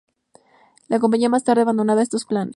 La compañía más tarde abandonaba estos planes.